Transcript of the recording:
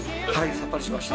さっぱりしました。